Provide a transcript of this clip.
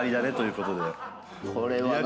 これはな。